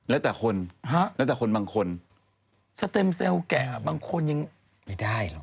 แล้วแต่คนฮะแล้วแต่คนบางคนแกะอ่ะบางคนยังไม่ได้หรอก